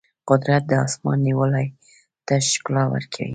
قدرت د اسمان نیلاوالي ته ښکلا ورکوي.